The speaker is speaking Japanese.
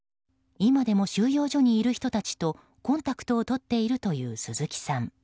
今でも収容所にいる人たちとコンタクトをとっているという鈴木さん。